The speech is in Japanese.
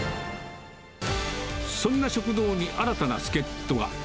そんな食堂に、新たな助っ人が。